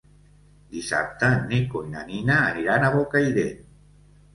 Dissabte en Nico i na Nina aniran a Bocairent.